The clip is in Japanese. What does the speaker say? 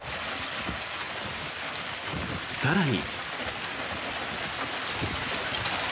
更に。